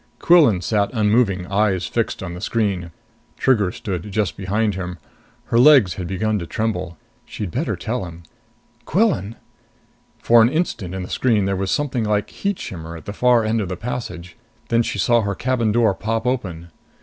Quillan sat unmoving, eyes fixed on the screen. Trigger stood just behind him. Her legs had begun to tremble. She'd better tell him. "Quillan " For an instant, in the screen, there was something like heat shimmer at the far end of the passage. Then she saw her cabin door pop open.